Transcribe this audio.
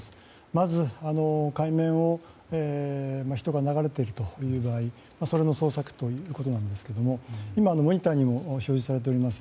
まず、海面を人が流れていくという場合それの捜索ということですが今モニターにも表示されています